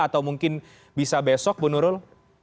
atau mungkin bisa besok bu nurul